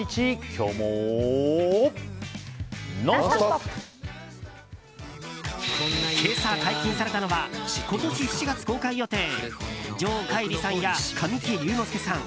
今朝解禁されたのは今年７月公開予定城桧吏さんや神木隆之介さん